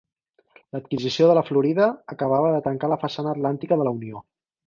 L'adquisició de la Florida acabava de tancar la façana atlàntica de la Unió.